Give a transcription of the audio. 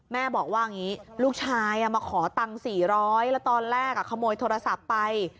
แม่บอกว่าอย่างนี้ลูกชายมาขอตังค์๔๐๐แล้วตอนแรกขโมยโทรศัพท์ไป